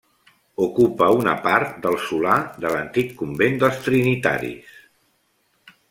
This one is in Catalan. Ocupa una part del solar de l'antic convent dels Trinitaris.